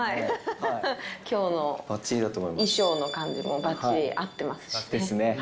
きょうの衣装の感じもばっちり合ってますしね。